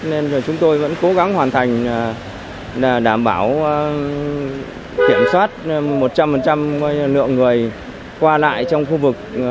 nên chúng tôi vẫn cố gắng hoàn thành đảm bảo kiểm soát một trăm linh lượng người qua lại trong khu vực trên địa bàn